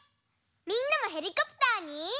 みんなもヘリコプターに。